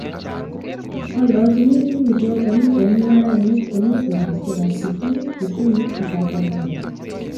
oldochini tukuchoto chemung'arainik chemi sokesiekab Kisii, Kisumu ak Kakamega